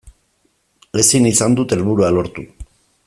Ezin izan dut helburua lortu.